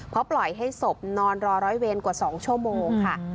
เพราะปล่อยให้ศพนอนรอร้อยเวรกว่า๒ชั่วโมงค่ะ